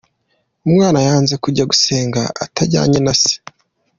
Umwana yanze kujya gusenga atajyanye na se.